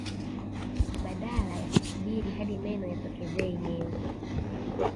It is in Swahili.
Badala ya kusubiri hadi meno yatokeze yenyewe